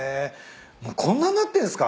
こんなんなってんすか？